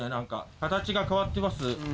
形が変わってます。